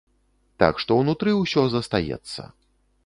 Так што ўнутры ўсё застаецца.